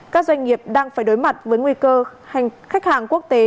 các doanh nghiệp đang phải đối mặt với nguy cơ khách hàng quốc tế